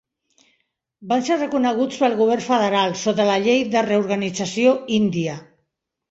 Van ser reconeguts pel govern federal, sota la Llei de Reorganització Índia.